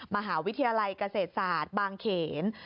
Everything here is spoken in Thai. มหาวิทยาลัยเกษตรศาสตร์บางเขน